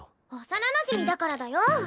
幼なじみだからだよ！